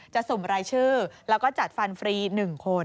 สุ่มรายชื่อแล้วก็จัดฟันฟรี๑คน